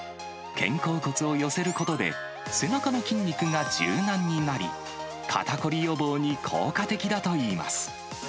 肩甲骨を寄せることで、背中の筋肉が柔軟になり、肩こり予防に効果的だといいます。